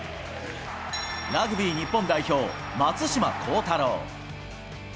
ラグビー日本代表、松島幸太朗。